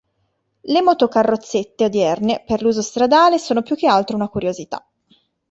Le motocarrozzette odierne, per l'uso stradale, sono più che altro una curiosità.